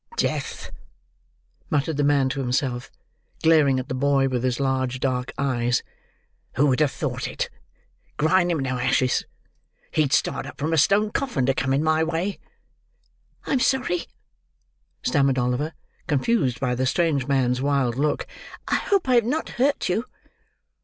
"Death!" muttered the man to himself, glaring at the boy with his large dark eyes. "Who would have thought it! Grind him to ashes! He'd start up from a stone coffin, to come in my way!" "I am sorry," stammered Oliver, confused by the strange man's wild look. "I hope I have not hurt you!"